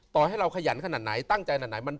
ต่อให้เราขยันขนาดไหนตั้งใจขนาดไหน